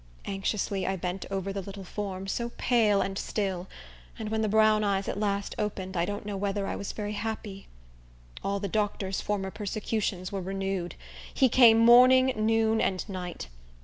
Anxiously, I bent over the little form, so pale and still; and when the brown eyes at last opened, I don't know whether I was very happy. All the doctor's former persecutions were renewed. He came morning, noon, and night.